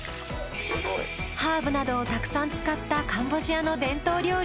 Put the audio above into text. ハーブなどをたくさん使ったカンボジアの伝統料理